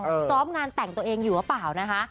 ซ้อมงานแต่งตัวเองอยู่หรือเปล่านะคะ